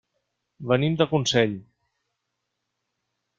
Venim de Consell.